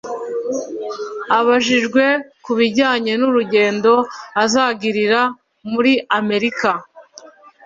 Abajijwe ku bijyanye n’urugendo azagirira muri Amerika